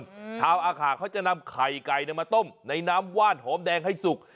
ชาวอาขาเขาจะนำไข่ไก่เนี้ยมาต้มในน้ำว่านหอมแดงให้สุก